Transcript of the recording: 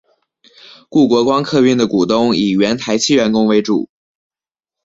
故国光客运的股东以原台汽员工为主。